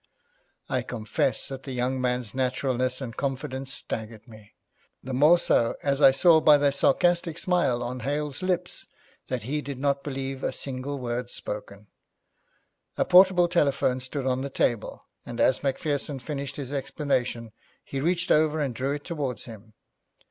I confess that the young man's naturalness and confidence staggered me, the more so as I saw by the sarcastic smile on Hale's lips that he did not believe a single word spoken. A portable telephone stood on the table, and as Macpherson finished his explanation, he reached over and drew it towards him.